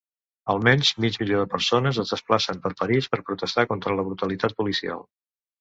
Almenys mig milió de persones es desplacen per París per protestar contra la brutalitat policial.